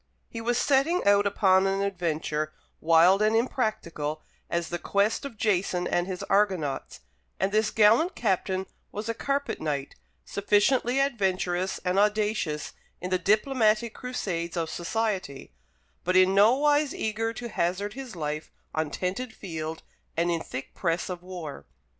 He was setting out upon an adventure wild and impracticable as the quest of Jason and his Argonauts; and this gallant captain was a carpet knight, sufficiently adventurous and audacious in the diplomatic crusades of society, but in nowise eager to hazard his life on tented field and in thick press of war.